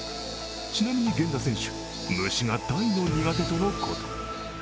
ちなみに源田選手虫が大の苦手とのこと。